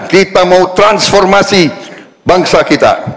kita mau transformasi bangsa kita